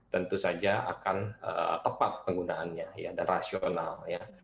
tentu saja akan tepat penggunaannya dan rasional